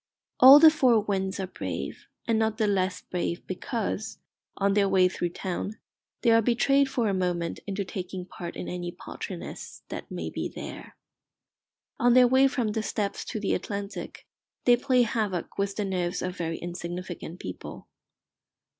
All the four winds are brave, and not the less brave because, on their way through town, they are betrayed for a moment into taking part in any paltriness that may be there. On their way from the Steppes to the Atlantic they play havoc with the nerves of very insignificant people.